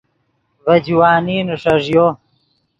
ڤے جوانی نیݰݱیو